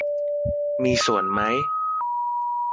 มีส่วนไหม ?